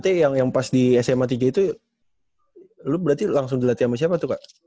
berarti yang pas di sma tiga itu lo berarti langsung dilatih sama siapa tuh kak